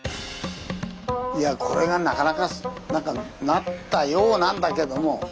いやこれがなかなかなったようなんだけども。